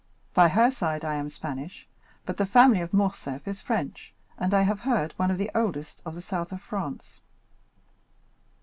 By her side I am Spanish, but the family of Morcerf is French, and, I have heard, one of the oldest of the south of France."